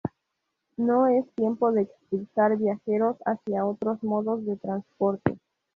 no es tiempo de expulsar viajeros hacia otros modos de transporte